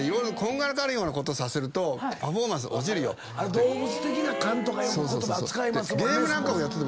動物的な勘とかよく言葉使いますもんね。